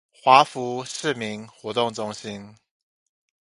華福市民活動中心